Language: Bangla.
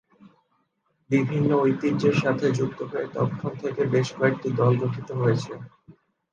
বিভিন্ন ঐতিহ্যের সাথে যুক্ত হয়ে তখন থেকে বেশ কয়েকটি দল গঠিত হয়েছে।